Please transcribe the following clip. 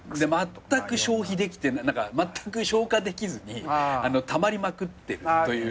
まったく消費できてまったく消化できずにたまりまくってるというか。